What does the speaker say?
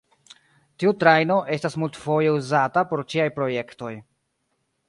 Tiu trajno estas multfoje uzata por ĉiaj projektoj.